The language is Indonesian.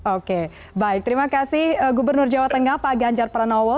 oke baik terima kasih gubernur jawa tengah paganjar pranowo